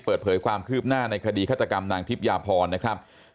เปิดเผยความคืบหน้าในคดีฆาตกรรมนางทิพยาพรนะครับ